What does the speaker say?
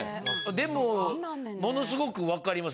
でもものすごく分かります。